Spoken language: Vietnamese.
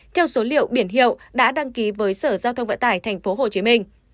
theo số liệu biển hiệu đã đăng ký với sở giao thông vận tải tp hcm